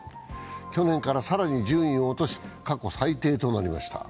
去年から更に順位を落とし過去最低となりました。